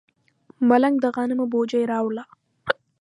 ملنګ د غنمو بوجۍ راوړه.